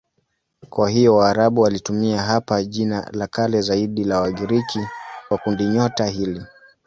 Kwa hiyo Waarabu walitumia hapa jina la kale zaidi la Wagiriki kwa kundinyota hili.